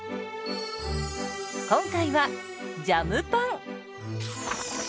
今回はジャムパン。